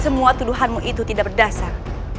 semua tuduhanmu itu tidak berdasar